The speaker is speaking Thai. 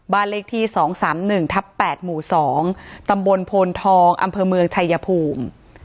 บ้านเล็กที่สองสามหนึ่งทับแปดหมู่สองตำบลโพลทองอำเภอเมืองไทยยภูมิ